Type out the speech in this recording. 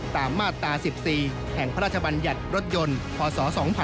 ตามมาตรา๑๔แห่งพระราชบัญญัติรถยนต์พศ๒๕๖๒